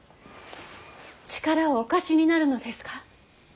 力をお貸しになるのですか。